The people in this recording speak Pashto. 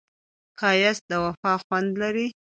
ښایست د وفا خوند لري